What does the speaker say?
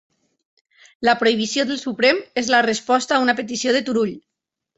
La prohibició del Suprem és la resposta a una petició de Turull